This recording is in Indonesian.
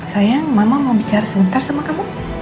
saya mama mau bicara sebentar sama kamu